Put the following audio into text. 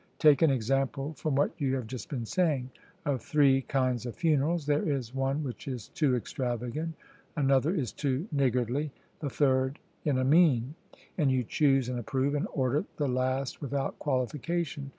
Take an example from what you have just been saying. Of three kinds of funerals, there is one which is too extravagant, another is too niggardly, the third in a mean; and you choose and approve and order the last without qualification.